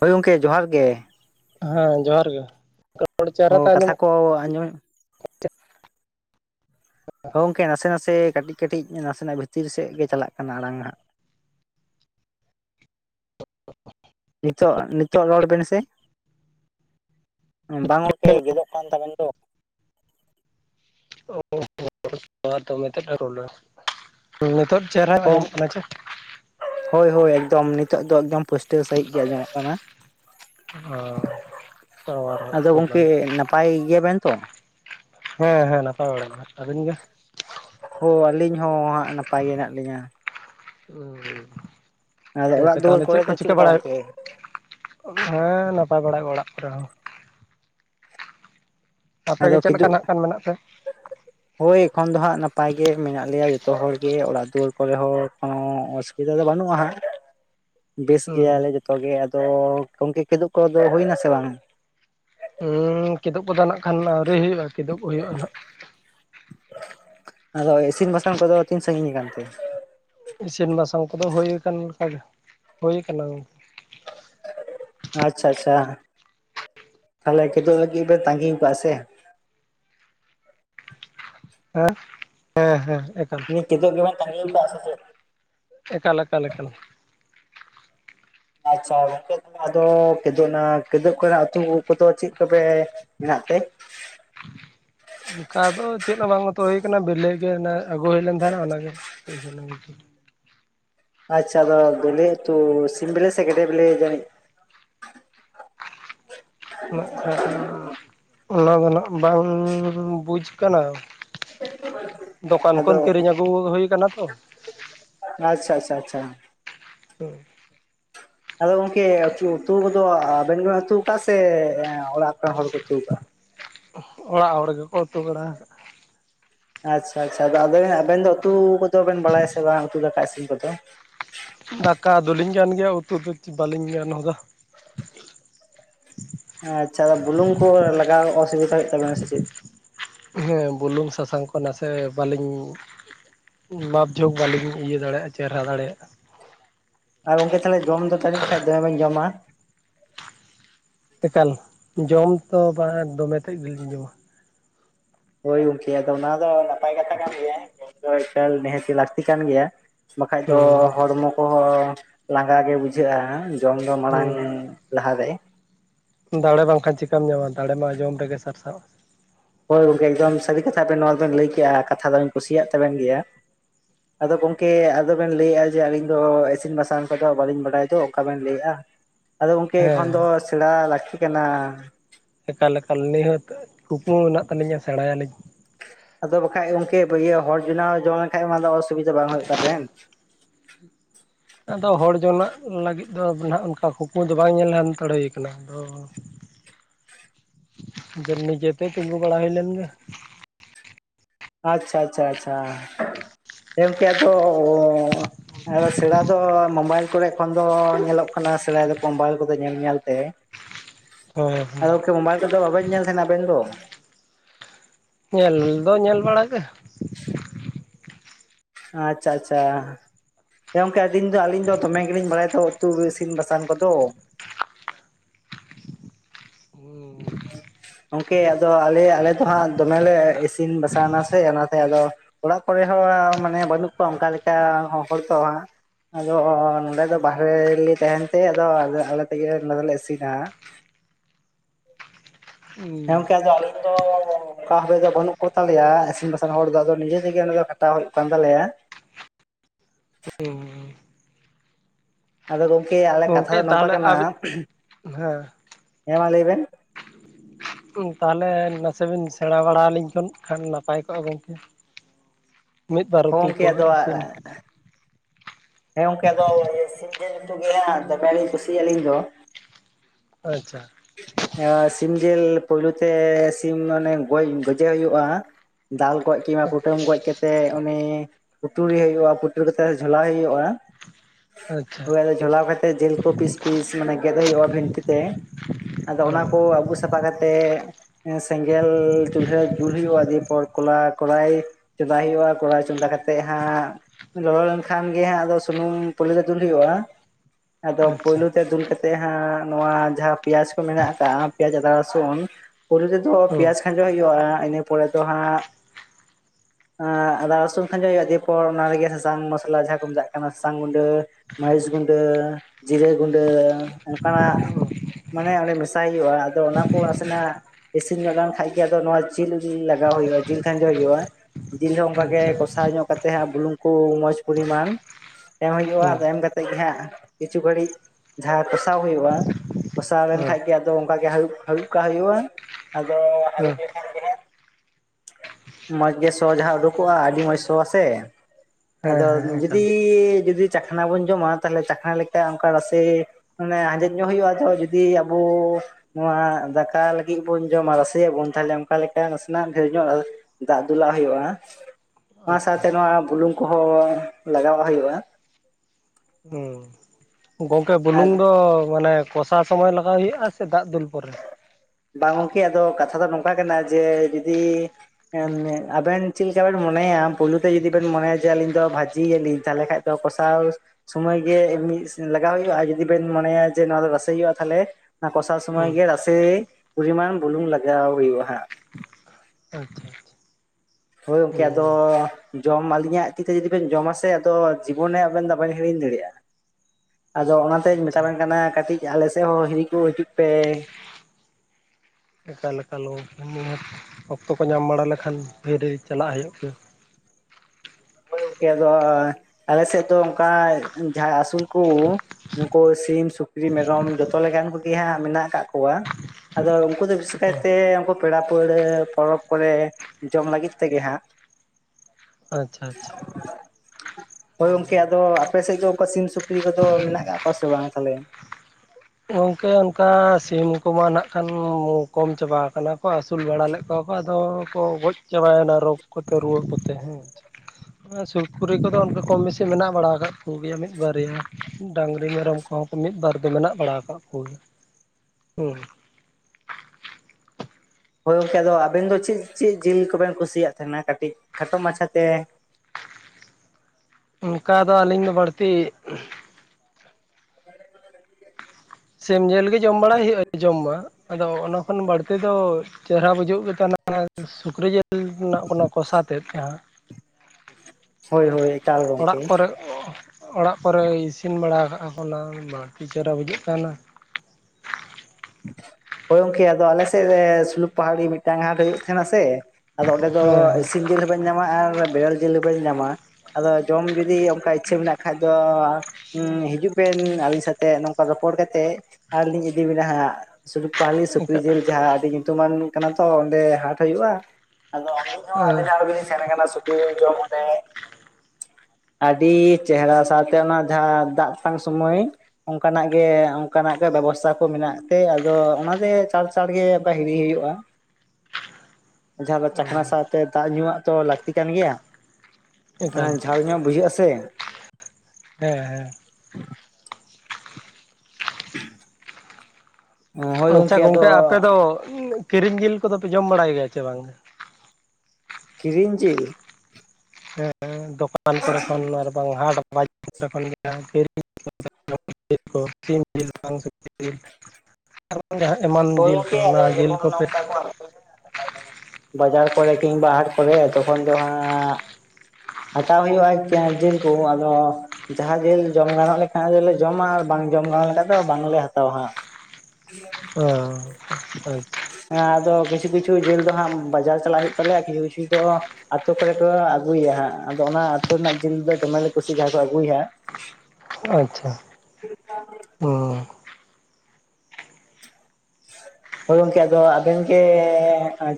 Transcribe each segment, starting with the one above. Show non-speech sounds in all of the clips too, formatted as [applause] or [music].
ᱦᱳᱭ ᱜᱚᱝᱠᱮ ᱡᱚᱦᱟᱨ ᱜᱮ ᱾ ᱦᱮᱸ ᱡᱚᱦᱟᱨ ᱜᱮ ᱨᱚᱲ ᱪᱮᱦᱨᱟ ᱦᱚ ᱛᱮ ᱠᱟᱛᱷᱟ ᱟᱸᱡᱚᱢᱚᱜ ᱠᱚ ᱟᱸᱡᱚᱢ ᱦᱳ ᱜᱚᱝᱠᱮ ᱱᱟᱥᱮ ᱱᱟᱥᱮ ᱠᱟᱹᱴᱤᱡ ᱠᱟᱹᱴᱤᱡ ᱱᱟᱥᱮᱱᱟᱜ ᱵᱷᱤᱛᱤᱨ ᱥᱮᱜ ᱜᱮ ᱪᱟᱞᱟᱜ ᱠᱟᱱᱟ ᱟᱲᱟᱝ ᱦᱟᱸᱜ ᱱᱤᱛᱳᱜ ᱱᱤᱛᱳᱜ ᱨᱚᱲ ᱵᱮᱱ ᱥᱮ ᱵᱟᱝ ᱜᱚᱝᱠᱮ ᱜᱮᱫᱚᱜ ᱠᱟᱱ ᱛᱟᱵᱮᱱ ᱫᱚ [unintelligible] ᱱᱤᱛᱚᱜ ᱪᱮᱦᱨᱟᱭ ᱟᱸᱡᱚᱢᱚᱜ ᱠᱟᱱᱟ ᱪᱮ ᱦᱳᱭ ᱦᱳᱭ ᱮᱠᱫᱚᱢ ᱱᱤᱛᱚᱜ ᱫᱚ ᱮᱠᱫᱚᱢ ᱯᱩᱥᱴᱟᱹᱣ ᱥᱟᱺᱦᱤᱡ ᱜᱮ ᱟᱸᱡᱚᱢᱚᱜ ᱠᱟᱱᱟ ᱚ ᱴᱟᱣᱟᱨ ᱦᱟᱸᱜ ᱠᱚ ᱵᱟᱝ ᱯᱟᱭ ᱜᱮᱭᱟ ᱵᱮᱱ ᱛᱚ ᱦᱮᱸ ᱦᱮᱸ ᱱᱟᱯᱟᱭ ᱵᱟᱲᱟ ᱜᱮ ᱦᱟᱸᱜ ᱟᱹᱵᱤᱱ ᱜᱮ ᱦᱳ ᱟᱹᱞᱤᱧ ᱦᱚᱸ ᱦᱟᱸᱜ ᱱᱟᱯᱟᱭ ᱜᱮ ᱦᱮᱱᱟᱜ ᱞᱤᱧᱟᱹ ᱟᱫᱚ ᱦᱸ ᱜᱚᱝᱠᱮ ᱚᱲᱟᱜ ᱫᱩᱣᱟᱹᱨ ᱛᱟᱦᱚᱞᱮ ᱠᱚᱨᱮ ᱪᱮᱜ ᱠᱚ ᱫᱚ ᱪᱮᱫ ᱪᱤᱠᱟᱹ ᱞᱮᱠᱟ ᱵᱟᱲᱟᱭ ᱜᱚᱝᱠᱮ ᱦᱮᱸ ᱱᱟᱯᱟᱭ ᱵᱟᱲᱟ ᱚᱲᱟᱜ ᱠᱚᱨᱮ ᱦᱚᱸ ᱟᱯᱮᱜᱮ ᱟᱫᱚ ᱪᱮᱫ ᱞᱮᱠᱟ ᱠᱤᱫᱩᱜ ᱱᱟᱜ ᱠᱷᱟᱱ ᱢᱮᱱᱟᱜ ᱯᱮ? ᱦᱳᱭ ᱮᱠᱷᱚᱱ ᱫᱚ ᱦᱟᱸᱜ ᱱᱟᱯᱟᱭ ᱜᱮ ᱢᱮᱱᱟᱜ ᱞᱮᱭᱟ ᱡᱚᱛᱚ ᱦᱚᱲ ᱜᱮ ᱚᱲᱟᱜ ᱫᱩᱣᱟᱹᱨ ᱠᱚᱨᱮ ᱦᱚᱸ ᱠᱳᱱᱳ ᱚᱥᱩ ᱵᱤᱫᱷᱟ ᱫᱚ ᱵᱟᱹᱱᱩᱜᱼᱟ ᱦᱟᱸᱜ ᱾ [inaudible] ᱵᱮᱥ ᱜᱮᱭᱟᱞᱮ ᱡᱚᱛᱚ ᱜᱮ, ᱟᱫᱚ ᱜᱚᱝᱠᱮ ᱠᱷᱮᱫᱳᱜ ᱠᱚᱫᱚ ᱦᱩᱭᱱᱟ ᱥᱮ ᱵᱟᱝ? ᱦᱩᱸ ᱠᱮᱫᱳᱠ ᱠᱚᱫᱚ ᱱᱟᱜ ᱠᱷᱟᱱ ᱟᱹᱣᱨᱤ ᱦᱩᱭᱩᱜᱼᱟ᱾ ᱠᱤᱫᱩᱵ ᱦᱩᱭᱩᱜᱼᱟ ᱱᱟᱜ ᱟᱫᱚ ᱤᱥᱤᱱ ᱵᱟᱥᱟᱝ ᱠᱚᱫᱚ ᱛᱤᱱ ᱥᱟᱺᱜᱤᱧ ᱠᱟᱱᱛᱮ? ᱤᱥᱤᱱ ᱵᱟᱥᱟᱝ ᱠᱚᱫᱚ ᱦᱩᱭ ᱟᱠᱟᱱ ᱠᱟᱫᱟ ᱦᱩᱭ ᱟᱠᱟᱱᱟ ᱜᱚᱝ ᱟᱪᱪᱷᱟ ᱟᱪᱪᱷᱟ, ᱛᱟᱦᱚᱞᱮ ᱠᱮᱫᱳᱜ ᱞᱟᱹᱜᱤᱜ ᱯᱮ ᱛᱟᱸᱜᱤ ᱠᱟᱜᱼᱟ ᱥᱮ? ᱦᱮᱸ ᱦᱮᱸ ᱦᱮᱸ, ᱮᱠᱟᱞ ᱞᱮᱭᱤᱧ ᱠᱮᱫᱳᱜ ᱜᱮᱵᱮᱱ ᱛᱟᱺᱜᱤᱣ ᱠᱟᱜᱼᱟ ᱥᱮ ᱪᱮᱫ? ᱮᱠᱟᱞ ᱮᱠᱟᱞ ᱮᱠᱟᱞ᱾ ᱟᱪᱪᱷᱟ ᱜᱚᱝᱠᱮ ᱟᱫᱚ ᱠᱮᱫᱳᱜ ᱠᱮᱫᱳᱜ ᱠᱚᱨᱮᱱᱟᱜ ᱟᱛᱩ ᱠᱚᱫᱚ ᱪᱮᱜ ᱠᱚᱯᱮ? ᱢᱮᱱᱟᱜ ᱛᱮ ᱚᱝᱠᱟ ᱫᱚ ᱪᱮᱫ ᱦᱚᱸ ᱵᱟᱝ ᱩᱛᱩ ᱦᱩᱭ ᱠᱟᱱᱟ ᱵᱮᱞᱮ ᱜᱮ ᱚᱱᱮ ᱟᱹᱜᱩ ᱦᱩᱭ ᱞᱮᱱ ᱛᱟᱦᱮᱱᱟ ᱚᱱᱟᱜᱮ ᱤᱥᱤᱱ ᱦᱩᱭ ᱠᱟᱱᱟ᱾ ᱟᱪᱪᱷᱟ ᱟᱫᱚ ᱵᱮᱞᱮ ᱩᱛᱩ ᱥᱤᱢ ᱵᱮᱞᱮ ᱥᱮ ᱜᱮᱰᱮ ᱵᱮᱞᱮ ᱵᱮᱱ ᱱᱟᱜ ᱠᱷᱟᱱ ᱚᱱᱟ ᱫᱚ ᱱᱟᱜ ᱵᱟᱝ ᱵᱩᱡᱽ ᱠᱟᱱᱟ ᱾ ᱫᱚᱠᱟᱱ ᱟᱫᱚ ᱠᱷᱚᱱ ᱠᱤᱨᱤᱧ ᱟᱹᱜᱩ ᱦᱩᱭ ᱠᱟᱱᱟ ᱛᱚ᱾ ᱟᱪᱪᱷᱟ ᱟᱪᱪᱷᱟ ᱟᱪᱪᱷᱟ, ᱦᱩᱸ᱾ ᱟᱫᱚ ᱜᱚᱝᱠᱮ ᱩᱛᱩ ᱩᱛᱩ ᱠᱚᱫᱚ ᱟᱵᱮᱱ ᱜᱮᱵᱮᱱ ᱩᱛᱩ ᱠᱟᱜᱼᱟ, ᱥᱮ ᱚᱲᱟᱜ ᱠᱚᱨᱮᱱ ᱦᱚᱲ ᱠᱚ ᱩᱛᱩ ᱠᱟᱜᱼᱟ? ᱚᱲᱟᱜ ᱦᱚᱲ ᱜᱮᱠᱚ ᱩᱛᱩ ᱠᱟᱲᱟᱣ ᱠᱟᱫᱟ᱾ ᱟᱪᱪᱷᱟ ᱟᱪᱪᱷᱟ, ᱟᱫᱚ ᱟᱵᱮ ᱟᱵᱮᱱ ᱫᱚ ᱩᱛᱩ ᱠᱚᱫᱚ ᱵᱮᱱ ᱵᱟᱲᱟᱭᱟ ᱥᱮ ᱵᱟᱝ ᱩᱛᱩ ᱫᱟᱠᱟ ᱤᱥᱤᱱ ᱠᱚᱫᱚ? ᱫᱟᱠᱟ ᱫᱚᱞᱤᱧ ᱜᱟᱱ ᱜᱮᱭᱟ ᱩᱛᱩ ᱫᱚ ᱵᱟᱞᱤᱧ ᱜᱟᱱ ᱦᱚᱫᱟ᱾ ᱟᱪᱪᱷᱟ ᱟᱫᱚ ᱵᱩᱞᱩᱝ ᱠᱚ ᱞᱟᱜᱟᱣ ᱚᱥᱩᱵᱤᱫᱷᱟ ᱦᱩᱭᱩᱜ ᱛᱟᱵᱮᱱᱟ ᱥᱮ ᱪᱮᱫ? ᱦᱮᱸ ᱵᱩᱞᱩᱝ ᱥᱟᱥᱟᱝ ᱠᱚ ᱱᱟᱥᱮ ᱵᱟᱹᱞᱤᱧ ᱢᱟᱞ ᱡᱷᱳᱠ ᱵᱟᱹᱞᱤᱧ ᱤᱭᱟᱹ ᱫᱟᱲᱮᱭᱟᱜᱼᱟ ᱪᱮᱦᱨᱟ ᱫᱟᱲᱮᱭᱟᱜᱼᱟ᱾ ᱟᱨ ᱜᱚᱝᱠᱮ ᱛᱟᱦᱚᱞᱮ ᱡᱚᱢ ᱫᱚ ᱡᱟᱱᱤᱡ ᱠᱷᱟᱡ ᱫᱚᱢᱮ ᱵᱮᱱ ᱡᱚᱢᱟ? ᱮᱠᱟᱞ ᱡᱚᱢ ᱛᱚ ᱵᱟᱝ ᱫᱚᱢᱮ ᱥᱟᱹᱦᱤᱡ ᱞᱤᱧ ᱡᱚᱢᱟ᱾ ᱦᱳᱭ ᱜᱚᱝᱠᱮ ᱟᱫᱚ ᱚᱱᱟ ᱫᱚ ᱱᱟᱯᱟᱭ ᱠᱟᱛᱷᱟ ᱠᱟᱱ ᱜᱮᱭᱟ, ᱱᱤᱛ ᱫᱚ ᱮᱠᱟᱞ ᱱᱤᱦᱟᱹᱛᱤ ᱞᱟᱹᱠᱛᱤ ᱠᱟᱱ ᱜᱮᱭᱟ᱾ ᱵᱟᱠᱷᱟᱡ ᱫᱚ ᱦᱚᱲᱢᱚ ᱠᱚᱦᱚᱸ ᱞᱟᱸᱜᱟ ᱜᱮ ᱵᱩᱡᱷᱟᱹᱜᱼᱟ, ᱡᱚᱢ ᱫᱚ ᱦᱩᱸ ᱢᱟᱲᱟᱝ ᱞᱟᱦᱟ ᱨᱮ ᱫᱟᱲᱮ ᱵᱟᱝᱠᱷᱟᱱ ᱪᱤᱠᱟᱹᱢ ᱧᱟᱢᱟ ᱫᱟᱲᱮ ᱢᱟ ᱡᱚᱢ ᱛᱮᱜᱮ ᱥᱟᱨᱥᱟᱣᱚᱜᱼᱟ᱾ ᱦᱳᱭ ᱜᱚᱝᱠᱮ ᱮᱠᱫᱚᱢ ᱥᱟᱹᱨᱤ ᱠᱟᱛᱷᱟ ᱵᱮᱱ ᱱᱚᱣᱟ ᱵᱮᱱ ᱞᱟᱹᱭ ᱠᱮᱜᱼᱟ ᱠᱟᱛᱷᱟ ᱫᱚᱧ ᱠᱩᱥᱤᱭᱟᱜ ᱛᱟᱵᱮᱱ ᱜᱮᱭᱟ᱾ ᱟᱫᱚ ᱜᱚᱝᱠᱮ ᱟᱫᱚᱵᱮᱱ ᱞᱟᱹᱭᱮᱜᱼᱟ, ᱡᱮ ᱟᱹᱞᱤᱧ ᱫᱚ ᱤᱥᱤᱱ ᱵᱟᱥᱟᱝ ᱠᱚᱫᱚ ᱵᱟᱹᱞᱤᱧ ᱵᱟᱰᱟᱭ ᱫᱚ ᱚᱝᱠᱟ ᱵᱮᱱ ᱞᱮᱭᱮᱜᱼᱟ᱾ ᱟᱫᱚ ᱜᱚᱝᱠᱮ ᱦᱮᱸ ᱮᱠᱷᱚᱱ ᱦᱮᱸ ᱫᱚ ᱥᱮᱬᱟ ᱞᱟᱹᱠᱛᱤ ᱠᱟᱱᱟ᱾ ᱮᱠᱟᱞ ᱮᱠᱟᱞ ᱱᱤᱦᱟᱹᱛ ᱠᱩᱠᱢᱩ ᱢᱮᱱᱟᱜ ᱛᱟᱹᱞᱤᱧᱟ ᱥᱮᱬᱟᱭᱟᱞᱤᱧ᱾ ᱟᱫᱚ ᱵᱟᱠᱷᱟᱡ ᱜᱚᱝᱠᱮ ᱵᱟᱹᱭᱟᱹ ᱦᱚᱲ ᱡᱚᱱᱟᱣ ᱡᱚᱜ ᱞᱮᱝᱠᱟᱡ ᱚᱱᱟ ᱚᱥᱩᱵᱤᱫᱟ ᱵᱟᱝ ᱦᱩᱭᱩᱜ ᱛᱟᱯᱮᱱ ᱾ ᱟᱫᱚ ᱦᱚᱲ ᱡᱚᱱᱟᱜ ᱞᱟᱹᱜᱤᱫ ᱫᱚ ᱱᱟᱜ ᱚᱱᱠᱟ ᱠᱩᱠᱢᱩ ᱫᱚ ᱵᱟᱝ ᱧᱮᱞ ᱦᱟᱛᱟᱲ ᱦᱩᱭ ᱠᱟᱱᱟ ᱟᱫᱚ᱾ ᱫᱮᱱ ᱱᱤᱡᱮᱛᱮ ᱛᱤᱸᱜᱩ ᱵᱟᱲᱟ ᱦᱩᱭ ᱞᱮᱱ ᱜᱮ᱾ ᱟᱪᱪᱷᱟ ᱟᱪᱪᱷᱟ ᱟᱪᱪᱷᱟ ᱮᱢ ᱠᱮ ᱛᱚ ᱟᱨ ᱥᱮᱬᱟ ᱫᱚ ᱢᱳᱵᱟᱭᱤᱞ ᱠᱚᱨᱮ ᱠᱷᱚᱱ ᱫᱚ ᱧᱮᱞᱚᱜ ᱠᱟᱱᱟ ᱥᱮᱬᱟᱭ ᱫᱚᱠᱚ ᱢᱳᱵᱟᱭᱤᱞ ᱠᱚᱨᱮ ᱧᱮᱞ ᱧᱮᱞ ᱛᱮ᱾ [inaudible] ᱦᱳᱭ ᱦᱳᱭ ᱟᱫᱚ ᱜᱚᱢᱠᱮ ᱢᱳᱵᱟᱭᱤᱞ ᱛᱮᱫᱚ ᱵᱟᱵᱮᱱ ᱧᱮᱞ ᱛᱟᱦᱮᱱᱟ ᱟᱵᱮᱱ ᱫᱚ? ᱧᱮᱞ ᱫᱚ ᱧᱮᱞ ᱵᱟᱲᱟ ᱜᱮ᱾ ᱟᱪᱪᱷᱟ ᱟᱪᱪᱷᱟ, ᱦᱮᱸ ᱜᱚᱝᱠᱮ ᱟᱹᱫᱤᱱ ᱫᱚ ᱟᱹᱞᱤᱧ ᱫᱚ ᱫᱚᱢᱮ ᱜᱮᱞᱤᱧ ᱵᱟᱲᱟᱭᱟ ᱛᱚ᱾ ᱩᱛᱩ ᱠᱚ ᱤᱥᱤᱱ ᱵᱟᱥᱟᱝ ᱠᱚᱫᱚ᱾ ᱜᱚᱝᱠᱮ ᱟᱫᱚ ᱟᱞᱮ ᱟᱞᱮ ᱫᱚ ᱦᱟᱸᱜ ᱫᱚᱢᱮ ᱞᱮ ᱤᱥᱤᱱ ᱵᱟᱥᱟᱝ ᱮᱱᱟ ᱥᱮ ᱚᱱᱟᱛᱮ ᱟᱫᱚ ᱚᱲᱟᱜ ᱠᱚᱨᱮ ᱦᱚᱸ ᱢᱟᱱᱮ ᱵᱟᱹᱱᱩᱜ ᱠᱚᱣᱟ ᱚᱱᱠᱟ ᱞᱮᱠᱟ ᱦᱚᱲᱛᱚ ᱦᱟᱸᱜ ᱟᱫᱚ ᱱᱚᱰᱮ ᱫᱚ ᱵᱟᱦᱨᱮ ᱨᱮᱞᱮ ᱛᱟᱦᱮᱱ ᱛᱮ ᱟᱫᱚ ᱟᱞᱮ ᱛᱮᱜᱮ ᱱᱚᱸᱰᱮ ᱫᱚᱞᱮ ᱤᱥᱤᱱᱟ᱾ ᱦᱮ ᱜᱚᱝᱠᱮ ᱟᱫᱚ ᱟᱹᱞᱤᱧ ᱫᱚ ᱠᱟ ᱦᱟᱵᱤᱡ ᱫᱚ ᱵᱟᱹᱱᱩᱜ ᱠᱚ ᱛᱟᱞᱮᱭᱟ ᱤᱥᱤᱱ ᱵᱟᱥᱟᱝ ᱦᱚᱲ ᱫᱚ ᱟᱫᱚ ᱱᱤᱡᱮ ᱛᱮᱜᱮ ᱚᱱᱟ ᱫᱚ ᱠᱷᱟᱴᱟᱣ ᱦᱩᱭᱩᱜ ᱠᱟᱱ ᱛᱟᱞᱮᱭᱟ᱾ ᱚ᱾ ᱟᱫᱚ ᱜᱚᱝᱠᱮ ᱟᱞᱮᱭᱟᱜ ᱠᱟᱛᱷᱟ ᱜᱚᱝᱠᱮ ᱫᱚ ᱱᱚᱝᱠᱟ ᱛᱟᱦᱚᱞᱮ ᱠᱟᱱᱟ, ᱟᱵᱤᱱ ᱦᱮᱸ ᱦᱮᱸ ᱢᱟ ᱞᱟᱹᱭ ᱵᱮᱱ᱾ ᱛᱟᱦᱚᱞᱮ ᱱᱟᱥᱮ ᱵᱤᱱ ᱥᱮᱬᱟ ᱵᱟᱲᱟ ᱟᱹᱞᱤᱧ ᱠᱷᱚᱱ ᱠᱷᱟᱱ ᱱᱟᱯᱟᱭ ᱠᱚᱜᱼᱟ ᱜᱚᱝᱠᱮ᱾ ᱢᱤᱫ ᱵᱟᱨ ᱦᱚᱸ ᱩᱛᱩ ᱜᱚᱝᱠᱮ ᱠᱚ ᱟᱫᱚ ᱤᱥᱤᱱ᱾ ᱦᱮᱸ ᱜᱚᱝᱠᱮ ᱟᱫᱚ ᱥᱤᱢ ᱡᱤᱞ ᱩᱛᱩ ᱜᱮ ᱦᱟᱸᱜ ᱫᱚᱢᱮᱞᱤᱧ ᱠᱩᱥᱤᱭᱟ-ᱟ ᱟᱞᱤᱧ ᱫᱚ᱾ ᱟᱪᱪᱷᱟ᱾ ᱥᱤᱢ ᱡᱮᱞ ᱯᱳᱭᱞᱩ ᱛᱮ ᱥᱤᱢ ᱢᱟᱱᱮ ᱜᱚᱡ ᱜᱚᱡᱮ ᱦᱩᱭᱩᱜᱼᱟ᱾ ᱫᱟᱞ ᱜᱚᱡ ᱠᱤᱱᱵᱟ ᱠᱩᱴᱟᱹᱢ ᱜᱚᱡ ᱠᱟᱛᱮ ᱩᱱᱤ ᱯᱩᱴᱩᱨᱮ ᱦᱩᱭᱩᱜᱼᱟ, ᱯᱩᱴᱩᱨ ᱠᱟᱛᱮ ᱟᱨᱚ ᱡᱷᱚᱞᱟᱭᱮ ᱦᱩᱭᱩᱜ ᱟ᱾ ᱟᱪᱪᱷᱟ ᱦᱳᱭ ᱟᱫᱚ ᱡᱷᱚᱞᱟᱣ ᱠᱟᱛᱮᱫ ᱡᱮᱞ ᱠᱚ ᱯᱤᱥ ᱯᱤᱥ ᱢᱟᱱᱮ ᱜᱮᱫᱮ ᱦᱩᱭᱩᱜᱼᱟ ᱵᱷᱤᱱᱴᱤ ᱛᱮ, ᱟᱫᱚ ᱚᱱᱟ ᱠᱚ ᱦᱮᱸ ᱟᱹᱵᱩᱜ ᱥᱟᱯᱷᱟ ᱠᱟᱛᱮᱫ ᱮᱸ ᱥᱮᱸᱜᱮᱞ ᱪᱩᱞᱦᱟᱹ ᱨᱮ ᱡᱩᱞ ᱦᱩᱭᱩᱜᱼᱟ ᱫᱤᱭᱮ ᱯᱚᱨ ᱠᱚᱞᱟ ᱠᱚᱞᱟᱭ ᱪᱚᱸᱫᱟᱭ ᱦᱩᱭᱩᱜᱼᱟ ᱠᱚᱲᱦᱟ ᱪᱚᱸᱫᱟ ᱠᱟᱛᱮᱫ ᱦᱟᱸᱜ ᱞᱚᱞᱚ ᱞᱮᱱᱠᱷᱟᱱ ᱜᱮ ᱦᱟᱸᱜ ᱟᱫᱚ ᱥᱩᱱᱩᱢ ᱯᱳᱭᱞᱳ ᱨᱮ ᱫᱩᱞ ᱦᱩᱭᱩᱜᱼᱟ ᱟᱫᱚ ᱟᱪᱪᱷᱟ ᱯᱳᱭᱞᱳ ᱛᱮ ᱫᱩᱞ ᱠᱟ ᱛᱮ ᱦᱟᱸᱜ ᱱᱚᱣᱟ ᱡᱟᱦᱟᱸ ᱯᱮᱸᱭᱟ ᱠᱚ ᱢᱮᱱᱟᱜ ᱠᱟᱜ-ᱟ, ᱯᱮᱭᱟᱡ ᱟᱫᱟ ᱨᱚᱥᱩᱱ ᱯᱳᱭᱞᱳ ᱛᱮᱫᱚ ᱦᱮᱸ ᱯᱮᱭᱟᱡ ᱠᱷᱟᱸᱡᱚ ᱦᱩᱭᱩᱜᱼᱟ ᱤᱱᱟᱹ ᱯᱚᱨᱮ ᱫᱚ ᱦᱟᱸᱜ ᱮᱸ ᱟᱫᱟ ᱨᱟᱹᱥᱩᱱ ᱠᱷᱟᱸᱡᱚᱭ ᱦᱩᱭᱩᱜᱼᱟ ᱫᱤᱭᱮ ᱯᱚᱨ ᱚᱱᱟ ᱨᱮᱜᱮ ᱥᱟᱥᱟᱝ ᱢᱚᱥᱞᱟ ᱡᱟᱦᱟᱸ ᱠᱚ ᱢᱮᱛᱟᱜ ᱠᱟᱱᱟ ᱥᱟᱥᱟᱝ ᱜᱩᱰᱟᱹ, ᱢᱟᱹᱨᱤᱪ ᱜᱩᱰᱟᱹ, ᱡᱤᱨᱟᱹ ᱜᱩᱰᱟᱹ ᱚᱱᱠᱟᱱᱟᱜ ᱢᱟᱱᱮ ᱚᱸᱰᱮ ᱢᱮᱥᱟᱭ ᱦᱩᱭᱩᱜᱼᱟ, ᱟᱫᱚ ᱚᱱᱟ ᱠᱚ ᱱᱟᱥᱮᱱᱟᱜ ᱤᱥᱤᱱ ᱧᱚᱜᱚᱱ ᱠᱷᱟᱡ ᱜᱮ ᱟᱫᱚ ᱱᱚᱣᱟ ᱡᱤᱞ ᱞᱟᱜᱟᱣ ᱦᱩᱭᱩᱜᱼᱟ ᱡᱤᱞ ᱠᱷᱟᱸᱡᱚ ᱦᱩᱭᱩᱜᱼᱟ, ᱡᱤᱞ ᱦᱚᱸ ᱚᱱᱠᱟ ᱜᱮ ᱟᱪᱪᱷᱟ ᱠᱚᱥᱟᱣ ᱧᱚᱜ ᱠᱟᱛᱮ ᱦᱟᱸᱜ ᱵᱩᱞᱩᱝ ᱠᱚ ᱢᱚᱸᱡᱽ ᱯᱚᱨᱤᱢᱟᱱ, ᱮᱢ ᱦᱩᱭᱩᱜᱼᱟ, ᱦᱮᱸ ᱟᱫᱚ ᱮᱢ ᱠᱟᱛᱮᱫ ᱜᱮ ᱦᱟᱸᱜ ᱠᱤᱪᱷᱩ ᱜᱷᱟᱹᱲᱤᱡ ᱡᱟᱦᱟᱸ ᱠᱚᱥᱟᱣ ᱦᱩᱭᱩᱜᱼᱟ᱾ ᱠᱚᱥᱟᱣ ᱞᱮᱱ ᱦᱮᱸ ᱠᱷᱟᱡ ᱜᱮ ᱟᱫᱚ ᱚᱱᱠᱟ ᱜᱮ ᱦᱟᱨᱩᱵ ᱦᱟᱹᱨᱩᱵ ᱠᱟᱜ ᱦᱩᱭᱩᱜᱼᱟ, ᱟᱫᱚ ᱦᱟᱹᱨᱩᱵ ᱞᱮᱠᱷᱟᱱ ᱜᱮ ᱦᱟᱸᱜ ᱢᱚᱡᱽ ᱜᱮ ᱥᱚ ᱡᱟᱦᱟᱸ ᱩᱰᱩᱠᱚᱜᱼᱟ ᱟᱹᱰᱤ ᱢᱚᱡᱽ ᱥᱚᱣᱟ ᱥᱮ, ᱦᱮᱸ ᱟᱫᱚ ᱦᱮᱸ ᱮᱠᱟᱞ ᱡᱩᱫᱤ ᱡᱩᱫᱤ ᱪᱟᱠᱷᱱᱟ ᱵᱚᱱ ᱡᱚᱢᱟ ᱛᱟᱞᱦᱮ ᱪᱟᱠᱷᱱᱟ ᱞᱮᱠᱟ ᱚᱱᱠᱟ ᱨᱟᱥᱮ ᱢᱟᱱᱮ ᱟᱸᱡᱮᱫ ᱧᱚᱜ ᱦᱩᱭᱩᱜ-ᱟ ᱚᱫᱚ ᱡᱩᱫᱤ ᱟᱵᱚ ᱱᱚᱣᱟ ᱫᱟᱠᱟ ᱞᱟᱹᱜᱤᱫ ᱵᱚᱱ ᱡᱚᱢᱟ ᱨᱟᱥᱮᱭᱟᱵᱚᱱ ᱛᱟᱞᱦᱮ ᱚᱱᱠᱟ ᱞᱮᱠᱟ ᱱᱟᱥᱮᱱᱟᱜ ᱰᱷᱮᱨ ᱧᱚᱜ ᱫᱟᱜ ᱫᱩᱞᱟᱜ ᱦᱩᱭᱩᱜᱼᱟ, ᱚᱱᱟ ᱟᱪᱪᱷᱟ ᱥᱟᱶᱛᱮ ᱱᱚᱣᱟ ᱵᱩᱞᱩᱝ ᱠᱚᱦᱚᱸ ᱞᱟᱜᱟᱣᱟᱜ ᱦᱩᱭᱩᱜᱼᱟ᱾ ᱚ᱾ ᱜᱚᱝᱠᱮ ᱟᱨ ᱵᱩᱞᱩᱝ ᱫᱚ ᱢᱟᱱᱮ ᱠᱚᱥᱟᱣ ᱥᱚᱢᱚᱭ ᱞᱟᱜᱟᱣ ᱦᱩᱭᱩᱜᱼᱟ ᱥᱮ ᱫᱟᱜ ᱫᱩᱞ ᱯᱚᱨᱮ? ᱵᱟᱝ ᱜᱚᱝᱠᱮ ᱟᱫᱚ ᱠᱟᱛᱷᱟ ᱫᱚ ᱱᱚᱝᱠᱟ ᱠᱟᱱᱟ ᱡᱮ ᱡᱩᱫᱤ ᱮᱸᱱᱮ ᱟᱵᱮᱱ ᱪᱮᱫ ᱞᱮᱠᱟ ᱵᱮᱱ ᱢᱚᱱᱮᱭᱟ ᱯᱳᱭᱞᱳ ᱛᱮ ᱡᱩᱫᱤ ᱵᱮᱱ ᱢᱚᱱᱮᱭᱟ ᱡᱮ ᱟᱹᱞᱤᱧ ᱫᱚ ᱵᱷᱟᱹᱡᱤᱭᱟᱞᱤᱧ ᱛᱟᱞᱦᱮ ᱠᱷᱟᱡ ᱫᱚ ᱠᱚᱥᱟᱣ ᱥᱚᱢᱚᱭ ᱜᱮ ᱢᱤᱫ ᱞᱟᱜᱟᱣ ᱦᱩᱭᱩᱜᱼᱟ ᱟᱨ ᱡᱩᱫᱤ ᱵᱮᱱ ᱢᱚᱱᱮᱭᱟ ᱡᱮ ᱱᱚᱣᱟ ᱫᱚ ᱨᱟᱥᱮ ᱦᱩᱭᱩᱜᱼᱟ ᱛᱟᱦᱞᱮ ᱚᱱᱟ ᱠᱚᱥᱟᱣ ᱥᱚᱢᱚᱭ ᱦᱩᱸ ᱜᱮ ᱨᱟᱥᱮ ᱯᱚᱨᱤᱢᱟᱱ ᱵᱩᱞᱩᱝ ᱞᱟᱜᱟᱣ ᱦᱩᱭᱩᱜᱼᱟ ᱦᱟᱸᱜ᱾ ᱟᱪᱪᱷᱟ ᱟᱪᱪᱷᱟ᱾ ᱦᱳᱭ ᱜᱚᱝᱠᱮ ᱟᱫᱚ, ᱦᱩᱸ ᱡᱚᱢ ᱟᱹᱞᱤᱧᱟᱜ ᱛᱤ ᱛᱮ ᱡᱩᱫᱤ ᱵᱮᱱ ᱡᱚᱢᱟ ᱥᱮ ᱟᱫᱚ ᱡᱤᱵᱚᱱᱮ ᱟᱵᱮᱱ ᱫᱚ ᱵᱟᱮᱱ ᱦᱤᱲᱤᱧ ᱫᱟᱲᱮᱭᱟᱜᱼᱟ᱾ [inaudible] ᱟᱫᱚ ᱚᱱᱟᱛᱮᱧ ᱟᱪᱪᱷᱟ ᱢᱮᱛᱟᱵᱮᱱ ᱠᱟᱱᱟ ᱠᱟᱹᱴᱤᱡ ᱟᱞᱮ ᱥᱮᱫ ᱦᱚᱸ ᱦᱤᱨᱤᱡ ᱠᱚ ᱦᱤᱡᱩᱜ ᱯᱮ ᱮᱠᱟᱞᱮᱠᱟ ᱞ ᱱᱤᱦᱛ ᱚᱠᱛᱚ ᱠᱚ ᱧᱟᱢ ᱵᱟᱲᱟ ᱞᱮᱠᱷᱟᱱ ᱯᱷᱤᱨᱤ ᱪᱟᱞᱟᱜ ᱦᱩᱭᱩᱜ ᱯᱮᱭᱟ ᱦᱚᱳᱭ ᱜᱚᱝᱠᱮ ᱟ ᱫᱚ ᱟᱞᱮ ᱥᱮᱫ ᱫᱚ ᱚᱱᱠᱟ ᱡᱟᱦᱟᱸ ᱟᱹᱥᱩᱞ ᱠᱚ ᱩᱱᱩᱠᱩ ᱥᱤᱢ ᱥᱩᱠᱨᱤ ᱢᱮᱨᱚᱢ ᱡᱚᱛᱚ ᱞᱮᱠᱟᱱ ᱠᱚᱜᱮ ᱦᱟᱸᱜ ᱢᱮᱱᱟᱜ ᱟᱠᱟᱟᱜ ᱠᱚᱣᱟ ᱟᱫᱚ ᱩᱱᱠᱩ ᱫᱚ ᱵᱤᱥᱮᱥ ᱜᱮᱭᱟ ᱠᱟᱭᱛᱮ ᱩᱱᱠᱩ ᱯᱮᱲᱟ ᱯᱟᱹᱲᱦᱟᱹ ᱯᱚᱨᱚᱵᱽ ᱠᱚᱨᱮ ᱡᱚᱢ ᱞᱟᱹᱜᱤᱫ ᱛᱮᱜᱮ ᱦᱟᱸᱜ ᱟᱪᱪᱷᱟ ᱟᱪᱪᱷᱟ ᱦᱳᱭ ᱜᱚᱝᱠᱮ ᱦᱩᱸ ᱟᱫᱚ ᱟᱯᱮ ᱥᱮᱫ ᱫᱚ ᱚᱱᱠᱟ ᱥᱤᱢ ᱥᱩᱠᱨᱤ ᱠᱚᱫᱚ ᱢᱮᱱᱟᱜ ᱟᱠᱟᱫ ᱠᱚᱣᱟ ᱥᱮ ᱵᱟᱝ ᱛᱟᱦᱚᱞᱮ ᱜᱚᱝᱠᱮ ᱚᱱᱠᱟ ᱥᱤᱢ ᱠᱚᱢᱟ ᱱᱟᱜ ᱠᱷᱟᱱ ᱠᱚᱢ ᱪᱟᱵᱟ ᱠᱟᱱᱟ ᱠᱚ ᱟᱹᱥᱩᱞ ᱵᱟᱲᱟ ᱞᱮᱫ ᱠᱚᱣᱟ ᱠᱚ ᱟᱫᱚ ᱠᱚ ᱜᱚᱡ ᱪᱟᱵᱟᱭᱮᱱᱟ ᱨᱳᱜᱽ ᱠᱚᱛᱮ ᱨᱩᱣᱟᱹ ᱠᱚᱛᱮ ᱦᱮᱸ ᱥᱩᱯᱩᱨᱤ ᱠᱚᱫᱚ ᱚᱱᱠᱟ ᱠᱚᱢ ᱵᱤᱥᱤ ᱢᱮᱱᱟᱜ ᱵᱟᱲᱟ ᱟᱠᱟᱫ ᱠᱚᱜᱮᱭᱟ ᱢᱤᱫ ᱵᱟᱨᱭᱟ ᱰᱟᱝᱨᱤ ᱢᱮᱨᱚᱢ ᱠᱚ ᱢᱤᱫ ᱵᱟᱨ ᱫᱚ ᱢᱮᱱᱟᱜ ᱵᱟᱲᱟ ᱟᱠᱟᱫ ᱠᱚᱜᱭᱟ ᱦᱩᱸ ᱦᱳᱭ ᱜᱚᱢᱠᱮ ᱟᱫᱚ ᱟᱵᱮᱱ ᱫᱚ ᱪᱮᱫ ᱪᱮᱫ ᱡᱤᱞ ᱠᱚᱵᱮᱱ ᱠᱩᱥᱤᱭᱟᱜ ᱛᱟᱦᱮᱱᱟ ᱠᱟᱹᱴᱤᱡ ᱠᱷᱟᱴᱚ ᱢᱟᱪᱷᱟᱛᱮ ᱚᱱᱠᱟ ᱫᱚ ᱟᱹᱞᱤᱧ ᱫᱚ ᱵᱟᱹᱲᱛᱤ [inaudible] ᱥᱮᱢ ᱧᱮᱞ ᱜᱮ ᱡᱚᱢ ᱵᱟᱲᱟᱭ ᱦᱩᱭᱩᱜᱼᱟ ᱡᱚᱢ ᱢᱟ ᱟᱫᱚ ᱚᱱᱟ ᱠᱷᱚᱱ ᱵᱟᱹᱲᱛᱤ ᱫᱚ ᱪᱮᱦᱨᱟ ᱵᱩᱡᱷᱟᱹᱜ ᱜᱮ ᱛᱟᱦᱮ ᱥᱩᱠᱨᱤ ᱡᱤᱞ ᱨᱮᱱᱟᱜ ᱠᱟᱱᱟ ᱠᱚᱥᱟ ᱛᱮᱫ ᱡᱟᱦᱟᱸ ᱦᱳᱭ ᱦᱳᱭ ᱮᱠᱟᱞ ᱚᱲᱟᱜ ᱜᱚᱝᱠᱮ ᱠᱚᱨᱮ ᱚᱲᱟᱜ ᱠᱚᱨᱮ ᱤᱥᱤᱱ ᱵᱟᱲᱟ ᱟᱠᱟᱟᱜ ᱠᱟᱱᱟ ᱵᱟᱹᱲᱛᱤ ᱪᱮᱦᱨᱟ ᱵᱩᱡᱷᱟᱹᱜ ᱠᱟᱱᱟ ᱦᱳᱭ ᱜᱚᱢᱠᱮ ᱟᱫᱚ ᱟᱞᱮ ᱥᱮᱫ ᱨᱮ ᱥᱩᱞᱩᱠ ᱯᱟᱦᱟᱲᱤ ᱢᱤᱫᱴᱟᱝ ᱦᱟᱴ ᱦᱩᱭᱩᱜ ᱛᱟᱦᱮᱱᱟ ᱥᱮ ᱟᱫᱚ ᱚᱸᱰᱮ ᱫᱚ ᱦᱮᱸ ᱦᱮᱸ ᱤᱥᱤᱱ ᱡᱤᱞ ᱦᱚᱸᱵᱟᱹᱧ ᱧᱟᱢᱟ ᱟᱨ ᱵᱮᱨᱮᱞ ᱡᱤᱞ ᱦᱚᱸᱵᱟᱹᱧ ᱧᱟᱢᱟ ᱟᱫᱚ ᱡᱚᱢ ᱡᱩᱫᱤ ᱚᱱᱠᱟ ᱤᱪᱪᱷᱟᱹ ᱢᱮᱱᱟᱜ ᱠᱷᱟᱡ ᱫᱚ ᱦᱤᱡᱩᱜ ᱵᱮᱱ ᱟᱹᱞᱤᱧ ᱥᱟᱛᱮᱜ ᱱᱚᱝᱠᱟ ᱨᱚᱯᱚᱲ ᱠᱟᱛᱮᱮᱫ ᱟᱨᱞᱤᱤᱧ ᱤᱫᱤ ᱵᱮᱱᱟ ᱦᱟᱸᱜ ᱥᱩ ᱯᱟᱦᱟᱞᱞᱤ ᱦᱮᱸ ᱥᱩᱠᱨᱤ ᱮᱠᱟᱞ ᱡᱤᱞ ᱡᱟᱦᱟᱸ ᱟᱹᱰᱤ ᱧᱩᱛᱩᱢᱟᱱ ᱠᱟᱱᱟ ᱛᱚ ᱚᱸᱰᱮ ᱦᱟᱴ ᱦᱩᱭᱩᱜᱼᱟ ᱟᱫᱚ ᱟᱹᱞᱤᱧ ᱦᱚᱸ ᱟᱹᱰᱤ ᱫᱷᱟᱟᱱ ᱜᱮᱧ ᱥᱮᱱ ᱠᱟᱱᱟ ᱥᱩᱠᱨᱤ ᱡᱚᱢ ᱨᱮ ᱟᱹᱰᱤ ᱪᱮᱦᱨᱟ ᱥᱟᱶᱛᱮ ᱚᱱᱟ ᱡᱟᱦᱟᱸ ᱫᱟᱜ ᱴᱟᱝ ᱥᱚᱢᱚᱭ ᱚᱱᱠᱟᱱᱟᱜ ᱜᱮ ᱚᱱᱠᱟᱱᱟᱜ ᱜᱮ ᱵᱮᱵᱚᱥᱛᱛᱟ ᱠᱚ ᱢᱮᱱᱟᱜ ᱟᱫᱚ ᱚᱱᱟᱛᱮ ᱪᱟᱟᱲ ᱪᱟᱟᱲ ᱜᱮ ᱟᱟᱨ ᱦᱤᱨᱤ ᱦᱩᱭᱩᱜᱼᱟ ᱡᱟᱦᱟᱸ ᱫᱚ ᱪᱟᱠᱷᱱᱟ ᱥᱟᱶᱛᱮ ᱫᱟᱜ ᱧᱩᱣᱟᱜ ᱫᱚᱚ ᱞᱟᱹᱠᱛᱤ ᱠᱟᱱ ᱜᱮᱭᱟ ᱦᱮᱸ ᱡᱷᱟᱞ ᱧᱚᱜ ᱵᱩᱡᱷᱟᱹᱜ ᱟᱥᱮ ᱦᱮᱸ ᱦᱮᱸ ᱦᱳᱭ ᱟᱪᱪᱷᱟ ᱟᱫᱚ ᱜᱚᱝᱠᱮ ᱟᱯᱮ ᱫᱚ ᱠᱤᱨᱤᱧ ᱡᱤᱞ ᱠᱚᱫᱚ ᱯᱮ ᱡᱚᱢ ᱵᱟᱲᱟᱭ ᱜᱮᱭᱟ ᱥᱮ ᱵᱟᱝ ᱠᱤᱨᱤᱧ ᱡᱤᱞ ᱦᱮᱸ ᱦᱮᱸ ᱫᱚᱠᱟᱱ ᱠᱚᱨᱮ ᱠᱷᱚᱱ ᱟᱨᱵᱟᱝ ᱦᱟᱴ [unintelligible] ᱟᱨ ᱡᱟᱦᱟᱸ ᱮᱢᱟᱱ ᱦᱳᱭ ᱡᱤᱞ ᱠᱚ ᱜᱚᱝᱠᱮ ᱚᱱᱟ ᱟᱫᱚ ᱡᱤᱞ ᱠᱚ ᱡᱚᱠᱷᱚᱱ ᱯᱮ ᱱᱚᱝᱠᱟ ᱵᱟᱡᱟᱨ ᱠᱚᱨᱮ ᱠᱤᱢᱵᱟᱟᱦᱟᱨ ᱠᱚᱨᱮ ᱛᱚᱠᱷᱚᱱ ᱫᱚ ᱦᱟᱸᱜ ᱦᱟᱛᱟᱣ ᱦᱩᱭᱩᱜᱼᱟ ᱡᱤᱞ ᱠᱚ ᱟᱫᱚ ᱡᱟᱦᱟᱸ ᱡᱤᱞ ᱡᱚᱢ ᱜᱟᱱᱚᱜ ᱞᱮᱠᱷᱟᱱᱡ ᱫᱚᱞᱮ ᱡᱚᱢᱟ ᱟᱨ ᱵᱟᱝ ᱡᱚᱢ ᱜᱟᱱᱚᱜ ᱞᱮᱠᱷᱟᱱᱡ ᱫᱚ ᱵᱟᱝᱞᱮ ᱦᱟᱛᱟᱣᱟ ᱦᱟᱸᱜ [unintelligible] ᱚ ᱟᱪ ᱦᱮᱸ ᱟᱫᱚ ᱠᱤᱪᱷᱩ ᱠᱤᱪᱷᱩ ᱡᱤᱞ ᱫᱚ ᱦᱟᱸᱜ ᱵᱟᱡᱟᱨ ᱪᱟᱞᱟᱜ ᱦ ᱦᱩᱭᱩᱜ ᱛᱟᱞᱮᱭᱟ ᱠᱤᱪᱷᱩ ᱠᱤᱪᱷᱩ ᱫᱚ ᱟᱛᱳ ᱠᱚᱨᱮ ᱠᱚ ᱟᱹᱜᱩᱭᱟ ᱦᱟᱸᱜ ᱟᱫᱚ ᱚᱱᱟ ᱟᱹᱛᱩ ᱨᱮᱱᱟᱜ ᱡᱤᱞ ᱫᱚ ᱫᱚᱢᱮᱞᱮ ᱠᱩᱥᱤᱤᱭᱟᱜᱼᱟ ᱡᱟᱦᱟᱸ ᱠᱚ ᱟᱹᱜᱩᱭᱟ ᱦᱟᱸ ᱟᱪᱪᱷᱟ ᱦᱸ [inaudible] ᱦᱳ ᱜᱚᱝᱠᱮ ᱟᱫᱚ ᱟᱵᱮᱱ ᱜᱮ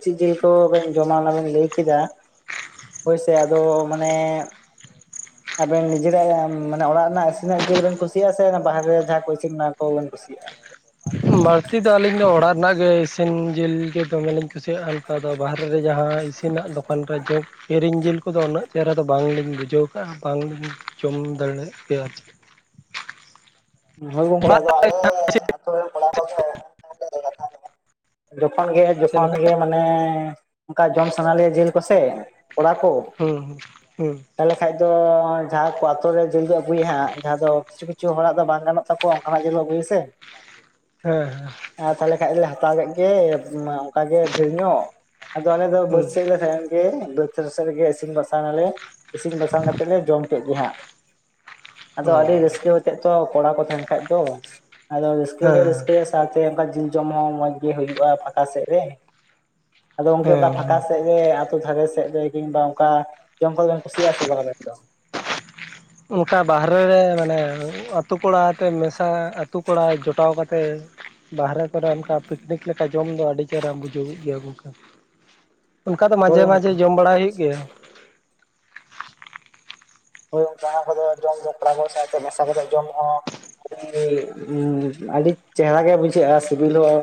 ᱪᱮᱫ ᱡᱤᱞ ᱠᱚᱵᱮᱱ ᱡᱚᱢᱟ ᱚᱱᱟ ᱵᱮᱱ ᱞᱟᱹᱭ ᱠᱮᱫᱟ ᱦᱳᱭ ᱥᱮ ᱟᱫᱚ ᱢᱟᱱᱮ [unintelligible] ᱟᱵᱮᱱ ᱱᱤᱡᱮᱨᱟᱜ ᱢᱟᱱᱮ ᱚᱲᱟᱜ ᱨᱮᱱᱟᱜ ᱤᱥᱤᱱᱟᱜ ᱡᱤᱞ ᱵᱮᱱ ᱠᱩᱥᱤᱭᱟᱜᱼᱟ? ᱥᱮ ᱵᱟᱦᱨᱮ ᱨᱮ ᱡᱟᱦᱟᱸ ᱠᱚ ᱤᱥᱤᱱ ᱚᱱᱟ ᱠᱚᱵᱮᱱ ᱥᱤᱜᱟ ᱵᱟᱹᱲᱛᱤ ᱫᱚ ᱟᱹᱞᱤᱧ ᱫᱚ ᱚᱲᱟᱜ ᱨᱮᱱᱟᱜ ᱜᱮ ᱤᱥᱤᱱ ᱡᱤᱞ ᱜᱮ ᱫᱚᱢᱮ ᱞᱤᱧ ᱠᱩᱥᱤᱭᱟᱜᱼᱟ᱾ ᱫᱚ ᱵᱟᱨᱦᱨᱮ ᱨᱮ ᱡᱟᱦᱟᱸ ᱤᱥᱤᱱᱟᱜ ᱫᱚᱠᱟᱱ ᱨᱮ ᱡᱚ ᱠᱤᱨᱤᱧ ᱡᱤᱞ ᱠᱚᱫᱚ ᱩᱱᱟᱹᱜ ᱪᱮᱦᱨᱟ ᱫᱚ ᱵᱟᱝ ᱞᱤᱧ ᱵᱩᱡᱷᱟᱹᱣ ᱠᱟᱜᱼᱟ ᱵᱟᱝᱞᱤᱧ ᱡᱚᱢ ᱫᱟᱲᱮᱭᱟᱜ ᱠᱮᱭᱟ ᱪᱮ ᱦᱚᱭ ᱜᱚᱝᱠᱮ ᱚᱲᱟᱜ ᱟᱫᱚ ᱟᱞᱮ ᱟᱹᱛᱩ ᱨᱮᱱ ᱠᱚᱲᱟ ᱠᱚᱫᱚ [inaudible] ᱡᱚᱠᱷᱚᱱ ᱜᱮ ᱪᱮᱫ ᱡᱚᱠᱷᱚᱱ ᱞᱮᱠᱟ ᱜᱮ ᱢᱟᱱᱮ ᱚᱱᱠᱟ ᱡᱚᱢ ᱥᱟᱱᱟ ᱞᱮᱭᱟ ᱡᱤᱞ ᱠᱚᱥᱮ ᱠᱚᱲᱟ ᱠᱚ ᱦᱩᱸ ᱦᱩᱸ ᱛᱟᱦᱚᱞᱮ ᱠᱷᱟᱱ ᱫᱚ ᱡᱟᱦᱟᱸ ᱠᱚ ᱟᱛᱳ ᱨᱮ ᱡᱤᱞ ᱠᱩ ᱟᱹᱜᱩᱭᱟ ᱦᱟᱸᱜ ᱡᱟᱦᱟᱸ ᱫᱚ ᱠᱤᱪᱷᱩ ᱠᱤᱪᱷᱩ ᱦᱚᱲᱟᱜ ᱫᱚ ᱵᱟᱝ ᱜᱟᱱᱜᱚ ᱛᱟᱠᱚᱣᱟ ᱚᱱᱠᱟᱱᱟᱜ ᱡᱤᱞ ᱠᱚ ᱟᱜᱩᱭᱟ ᱥᱮ ᱦᱮᱸ ᱦᱮᱸ ᱛᱟᱦᱞᱮ ᱠᱷᱟᱡ ᱞᱮ ᱦᱟᱛᱟᱣ ᱠᱮᱫ ᱜᱮ ᱚᱱᱠᱟ ᱜᱮ ᱰᱷᱮᱨ ᱧᱚᱜ ᱟᱫᱚ ᱟᱞᱮ ᱫᱚ ᱵᱟᱫ ᱦᱩᱸ ᱥᱮᱡ ᱞᱮ ᱥᱮᱱ ᱜᱮ ᱵᱟᱹᱫ ᱥᱮᱫ ᱨᱮᱜᱮ ᱤᱥᱤᱱ ᱵᱟᱥᱟᱝ ᱟᱞᱮ ᱤᱥᱤᱱ ᱵᱟᱥᱟᱝ ᱠᱟᱛᱮᱫ ᱞᱮ ᱡᱚᱢ ᱠᱮᱫ ᱜᱮᱦᱟᱸᱜ ᱟᱫᱚ ᱚ ᱟᱹᱰᱤ ᱦᱮᱸ ᱨᱟᱹᱥᱠᱟᱹ ᱣᱟᱛᱮᱫ ᱛᱚ ᱠᱚᱲᱟ ᱠᱚ ᱛᱟᱦᱮᱱ ᱠᱷᱟᱡ ᱫᱚ ᱟᱫᱚ ᱨᱟᱹᱥᱠᱟᱹᱦᱚᱞᱮ ᱨᱟᱹᱥᱠᱟᱹᱭᱟ ᱥ ᱥᱟᱶᱛᱮ ᱚᱱᱠᱟ ᱡᱤᱞ ᱡᱚᱢ ᱦᱚᱸ ᱢᱚᱸᱡᱽ ᱜᱮ ᱦᱩᱭᱩᱜᱼᱟ ᱯᱷᱟᱸᱠᱟ ᱥᱮᱫ ᱨᱮ ᱟᱫᱚ ᱜᱚᱝᱠᱮ ᱚᱱᱠᱟ ᱦᱮᱸ ᱯᱷᱟᱸᱠᱟ ᱥᱮᱫ ᱥᱮ ᱟᱛᱳ ᱫᱷᱟᱨᱮ ᱥᱮᱫ ᱨᱮ ᱠᱤᱝᱵᱟ ᱚᱱᱠᱟ ᱡᱚᱢ ᱠᱚ ᱵᱤᱱ ᱠᱩᱥᱤᱭᱟᱜᱼᱟ ᱥᱮ ᱵᱟᱝ ᱟᱵᱮᱱ ᱫᱚ? ᱚᱱᱠᱟ ᱵᱟᱦᱨᱮ ᱨᱮ ᱢᱟᱱᱮ ᱩᱛ ᱛᱩ ᱠᱚᱲᱟ ᱛᱮ ᱢᱮᱥᱟ ᱟᱛᱩ ᱠᱚᱲᱟ ᱡᱚᱴᱟᱣ ᱠᱟᱛᱮ ᱵᱟᱦᱨᱮ ᱠᱚᱨᱮ ᱚᱱᱠᱟ ᱯᱤᱠᱱᱤᱠ ᱞᱮᱠᱟ ᱡᱚᱢ ᱫᱚ ᱟᱹᱰᱤ ᱪᱮᱦᱨᱟᱢ ᱵᱩᱡᱷᱟᱹᱚᱜ ᱜᱮᱭᱟ ᱜᱚᱝᱠᱮ ᱚᱱᱠᱟ ᱫᱚ ᱢᱟᱡᱷᱮ ᱦᱳᱭ ᱢᱟᱡᱷᱮ ᱡᱚᱢ ᱵᱟᱲᱟᱭ ᱦᱩᱭᱩᱜ ᱜᱮᱭᱟ ᱦᱳᱭ ᱚᱱᱠᱟ ᱠᱚᱫᱚ ᱡᱚᱢ ᱫᱚ ᱠᱚᱲᱟ ᱠᱚ ᱥᱟᱶᱛᱮ ᱢᱮᱥᱟ ᱠᱟᱛᱮᱫ ᱡᱚᱢ ᱦᱚᱸ [unintelligible] ᱟᱹᱰᱤ ᱪᱮᱦᱨᱟ ᱜᱮ ᱵᱩᱡᱷᱟᱹᱜᱼᱟ ᱥᱤᱵᱤᱞ ᱦᱚᱸ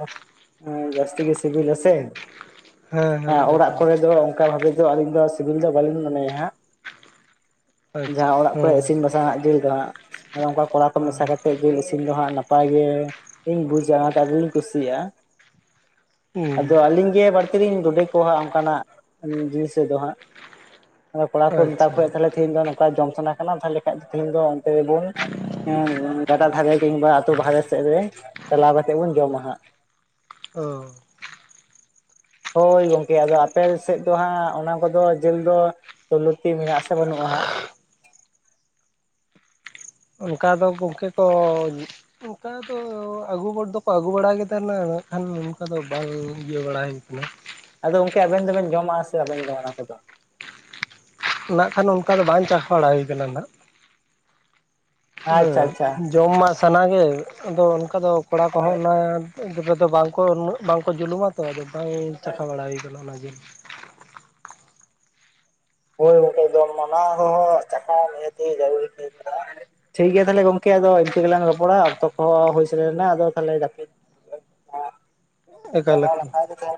ᱦᱮᱸ ᱡᱟᱹᱥᱛᱤ ᱜᱮ ᱥᱤᱵᱤᱞᱟ ᱥᱮ ᱦᱮᱸ ᱦᱮᱸ ᱚᱲᱟᱜ ᱮᱠᱟᱞ ᱠᱚᱨᱮ ᱫᱚ ᱚᱱᱠᱟ ᱵᱷᱟᱵᱮ ᱫᱚ ᱟᱹᱞᱤᱧ ᱫᱚ ᱥᱤᱵᱤᱞ ᱫᱚ ᱵᱟᱹᱞᱤᱧ ᱢᱚᱱᱮ ᱭᱟ ᱦᱟᱜ ᱟᱪᱪᱷᱟ ᱡᱟᱦᱟᱸ ᱚᱲᱟᱜ ᱠᱚᱨᱮ ᱤᱥᱤᱱ ᱦᱮᱸ ᱵᱟᱥᱟᱝ ᱦᱟᱜ ᱡᱤᱞ ᱫᱚ ᱦᱟᱸᱜ ᱚᱱᱠᱟ ᱠᱚᱲᱟ ᱠᱚ ᱢᱮᱥᱟ ᱠᱟᱛᱮᱫ ᱡᱤᱞ ᱤᱥᱤᱱ ᱫᱚ ᱦᱟᱸᱜ ᱱᱟᱯᱟᱭ ᱜᱮ ᱤᱧ ᱵᱩᱡᱟ ᱚᱱᱟ ᱛᱮ ᱟᱹᱰᱤᱧ ᱠᱩᱥᱤᱭᱟᱜᱼᱟ᱾ ᱦᱮᱸ ᱟᱫᱚ ᱦᱮᱸ ᱟᱹᱞᱤᱧ ᱜᱮ ᱵᱟᱹᱲᱛᱤ ᱞᱤᱧ ᱰᱚᱰᱮ ᱠᱚᱣᱟ ᱦᱟᱸᱜ ᱚᱱᱠᱟᱱᱟᱜ ᱨᱤᱥ ᱨᱮᱫᱚ ᱦᱟᱸᱜ ᱚᱱᱠᱟ ᱠᱚᱲᱟ ᱠᱚ ᱢᱮᱛᱟ ᱠᱚ ᱟᱪᱪᱷᱟ ᱦᱩᱭᱩᱜᱟ ᱛᱟᱦᱚᱞᱮ ᱛᱮᱦᱤᱧ ᱫᱚ ᱱᱚᱝᱠᱟ ᱡᱚᱢ ᱥᱟᱱᱟ ᱠᱟᱱᱟ ᱛᱟᱦᱞᱮ ᱠᱷᱟᱱ ᱛᱤᱦᱤᱧ ᱫᱚ [unintelligible] ᱜᱟᱰᱟ ᱫᱷᱟᱨᱮ ᱠᱤᱝᱵᱟ ᱟᱛᱩ ᱵᱷᱟᱨᱮ ᱥᱮᱫ ᱨᱮ ᱪᱟᱞᱟᱣ ᱠᱟᱛᱮᱜ ᱵᱚᱱ ᱡᱚᱢᱟᱦᱟᱸᱜ ᱚᱻ ᱦᱳᱭ ᱜᱚᱝᱠᱮ ᱟᱫᱚ ᱟᱯᱮ ᱥᱮᱫ ᱫᱚ ᱦᱟᱸᱜ ᱚᱱᱟ ᱠᱚᱫᱚ ᱡᱤᱞ ᱫᱚ ᱪᱚᱞᱩᱛᱤ ᱢᱮᱱᱟᱜ ᱥᱮ ᱵᱟᱹᱱᱩᱜᱼᱟ ᱦᱟᱸᱜ? ᱚᱱᱠᱟ ᱫᱚ ᱜᱚᱝᱠᱮ ᱠᱚ ᱚᱱᱠᱟ ᱫᱚ ᱟᱹᱜᱩ ᱦᱚᱲ ᱫᱚᱠᱚ ᱟᱹᱜᱩ ᱵᱟᱲᱟᱭ ᱜᱮᱛᱮ ᱱᱟ ᱢᱮᱱ ᱠᱷᱟᱱ ᱚᱱᱠᱟ ᱫᱚ ᱵᱟᱝ ᱤᱭᱟᱹ ᱵᱟᱲᱟ ᱦᱩᱭ ᱠᱟᱱᱟ ᱟᱫᱚ ᱜᱚᱝᱠᱮ ᱟᱵᱮᱱ ᱫᱚᱵᱮᱱ ᱡᱚᱢᱟᱼᱟ ᱥᱮ ᱵᱟᱵᱮᱱ ᱡᱚᱢᱟ ᱚᱱᱟ ᱠᱚᱫᱚ? ᱱᱟᱜ ᱠᱷᱟᱱ ᱚᱱᱠᱟ ᱫᱚ ᱵᱟᱝ ᱪᱟᱥ ᱵᱟᱲᱟ ᱦᱩᱭ ᱟᱠᱟᱱᱟ ᱱᱟᱜ ᱟᱪᱪᱷᱟ ᱟᱪᱪᱷᱟ ᱡᱚᱢ ᱢᱟ ᱥᱟᱱᱟ ᱜᱮ ᱟᱫᱚ ᱚᱱᱠᱟ ᱫᱚ ᱠᱚᱲᱟ ᱠᱚᱦᱚᱸ ᱚᱱᱟ ᱨᱮᱫᱚ ᱵᱟᱝᱠᱚ ᱩᱱᱟᱜ ᱵᱟᱝᱠᱚ ᱡᱩᱞᱩᱢᱟ ᱛᱚ ᱟᱫᱚ ᱵᱟᱝ ᱪᱟᱠᱷᱟ ᱵᱟᱲᱟ ᱦᱩᱭ ᱟᱠᱟᱱᱟ ᱚᱱᱟ ᱡᱤᱞ ᱦᱳᱭ ᱜᱚᱝᱠᱮ ᱮᱠᱫᱚᱢ ᱚᱱᱟ ᱫᱚᱦᱟᱜ ᱪᱟᱠᱷᱟ ᱱᱤᱦᱟᱛᱤ ᱡᱟᱨᱩᱨᱤ ᱜᱮ ᱠᱟᱱᱟ ᱴᱷᱤᱠ ᱜᱮᱭᱟ ᱛᱟᱦᱚᱞᱮ ᱜᱚᱝᱠᱮ ᱟᱫᱚ ᱤᱱᱠᱟᱹ ᱜᱮᱞᱟᱝ ᱨᱚᱯᱚᱲᱟ ᱚᱠᱛᱚ ᱠᱚ ᱦᱚᱸ ᱦᱩᱭ ᱥᱮᱴᱮᱨ ᱮᱱᱟ ᱟᱫᱚ ᱛᱟᱦᱚᱞᱮ ᱜᱟᱛᱮ ᱮᱠᱟᱞ, ᱦᱚᱸ [unintelligible] ᱱᱟᱯᱟᱭ ᱜᱮ ᱛᱟᱦᱮᱱ